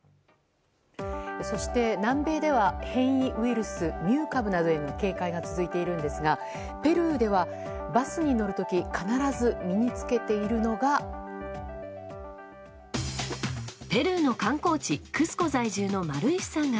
そして、南米では変異ウイルス、ミュー株などへの警戒が続いているんですがペルーではバスに乗る時必ず身に着けているのが。